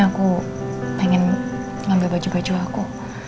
aku pengen ngambil baju baju aku